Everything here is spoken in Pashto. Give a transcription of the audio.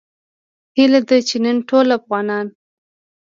هیله ده چې نن ټول افغانان